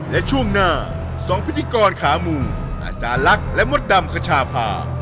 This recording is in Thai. และช่วงหน้า๒พิธีกรขาหมู่อาจารย์ลักษณ์และมดดำขชาพา